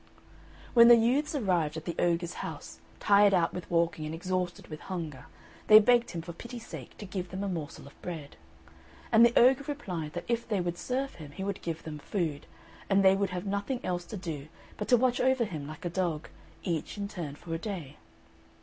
When the youths arrived at the ogre's house, tired out with walking and exhausted with hunger, they begged him for pity's sake to give them a morsel of bread. And the ogre replied that if they would serve him he would give them food, and they would have nothing else to do but to watch over him like a dog, each in turn for a day.